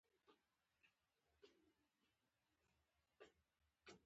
خو نه پوهېږم، چې تراوسه لا ولې نه دي راغلي.